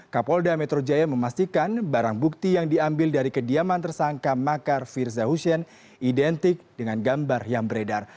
kapolda metro jaya memastikan barang bukti yang diambil dari kediaman tersangka makar firza hussein identik dengan gambar yang beredar